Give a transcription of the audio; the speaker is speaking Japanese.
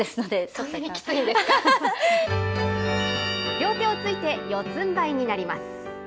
両手をついて、四つんばいになります。